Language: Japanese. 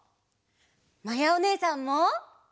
まやおねえさんも。